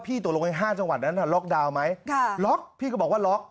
ตกลงไว้๕จังหวัดนั้นล็อกดาวน์ไหมล็อกพี่ก็บอกว่าล็อก